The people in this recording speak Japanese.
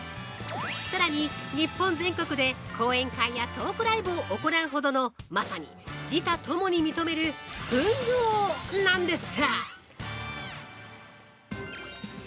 さらに日本全国で講演会やトークライブを行うほどのまさに自他共に認める文具王なんです。